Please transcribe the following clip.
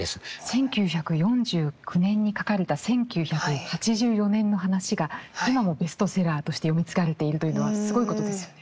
１９４９年に書かれた１９８４年の話が今もベストセラーとして読み継がれているというのはすごいことですよね。